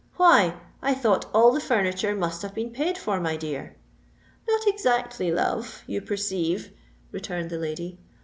Why, I thought all the furniture must have been paid for, my dear?" "Not exactly, love—you perceive," returned the lady.